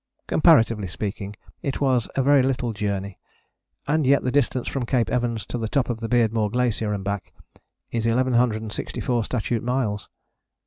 Comparatively speaking it was a very little journey: and yet the distance from Cape Evans to the top of the Beardmore Glacier and back is 1164 statute miles.